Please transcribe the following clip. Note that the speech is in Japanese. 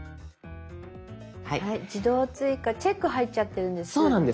「自動追加」チェック入っちゃってるんです。